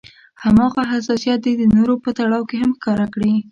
هماغه حساسيت دې د نورو په تړاو هم ښکاره کړي.